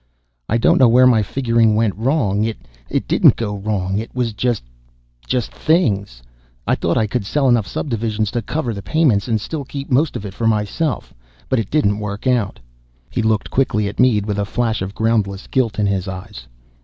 "I don't know where my figuring went wrong. It didn't go wrong. It was just ... just things. I thought I could sell enough subdivisions to cover the payments and still keep most of it for myself, but it didn't work out." He looked quickly at Mead with a flash of groundless guilt in his eyes.